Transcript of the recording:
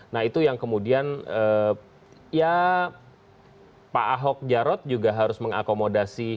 nah itu yang kemudian ya pak ahok jarot juga harus mengakomodasi